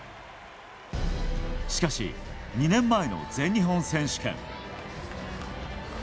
しかし、２年前の全日本選手権。